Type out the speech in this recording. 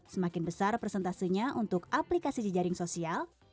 semakin besar persentasenya untuk aplikasi di jaring sosial